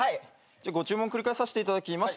じゃあご注文繰り返させていただきます。